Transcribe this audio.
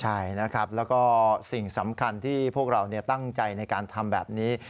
ใช่นะครับแล้วก็สิ่งสำคัญที่พวกเราตั้งใจในการทำแบบนี้